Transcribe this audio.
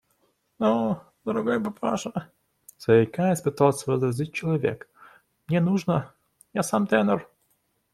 – Но, дорогой папаша, – заикаясь, пытался возразить человек, – мне нужно… я сам тенор.